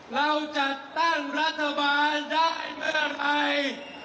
เราจัดตั้งรัฐบาลได้เมื่อไหร่